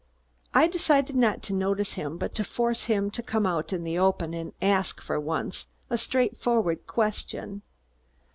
I decided not to notice him but to force him to come out in the open and ask, for once, a straightforward question.